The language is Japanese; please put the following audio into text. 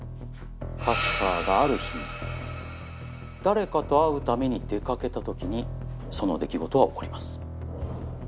カスパーがある日誰かと会うために出掛けたときにその出来事は起こります。